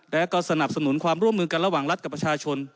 และก็สนับสนุนความร่วมมือกันระหว่างรัฐกับประชาชน